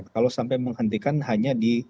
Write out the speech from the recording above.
kalau sampai menghentikan hanya di